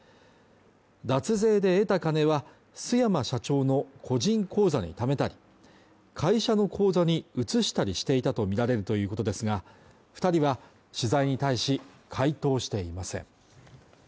脱税で得た金は須山社長の個人口座にためたり会社の口座に移したりしていたとみられるということですが二人は取材に対し回答していません